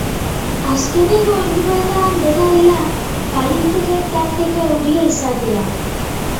Azkeneko orduetan, dena dela, baliteke tarteka euria izatea.